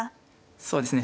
そうですね